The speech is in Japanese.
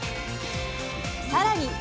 更に！